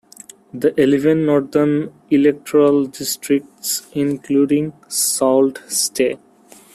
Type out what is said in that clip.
The eleven northern electoral districts, including Sault Ste.